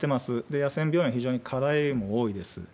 野戦病院、非常に課題も多いです。